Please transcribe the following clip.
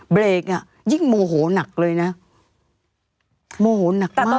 เบรกอ่ะยิ่งโมโหนักเลยนะโมโหนักมาก